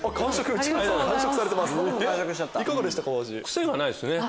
癖がないですね